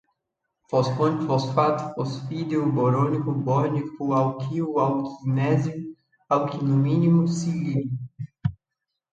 fosfônico, fosfato, fosfodiéster, borônico, borínico, alquil, alquilmagnésio, alquilalumínio, silil